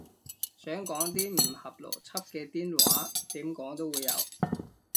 想講啲唔合邏輯嘅癲話，點講都會有